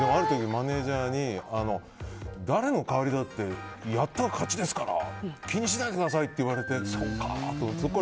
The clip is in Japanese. マネジャーに誰の代わりだってやったら勝ちですから気にしないでくださいと言われてそっかと思って。